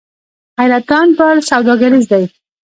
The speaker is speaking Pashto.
حیرتان پل سوداګریز دی؟